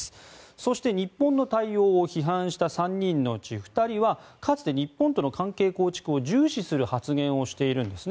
そして日本の対応を批判した３人のうち２人はかつて日本との関係構築を重視する発言をしているんですね。